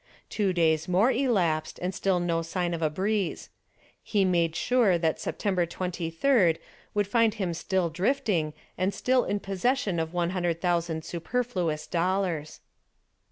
Two days more elapsed and still no sign of a breeze. He made sure that September 23d would find him still drifting and still in possession of one hundred thousand superfluous dollars.